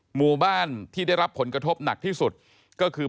หมู่บ้านที่ได้รับผลกระทบหนักที่สุดก็คือ